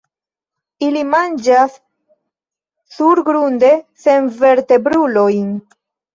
Ili manĝas surgrunde senvertebrulojn.